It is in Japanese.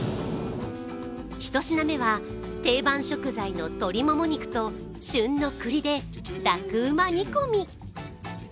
１品目は、定番食材の鶏もも肉と旬の栗で楽うま煮込み。